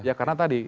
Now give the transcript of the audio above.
ya karena tadi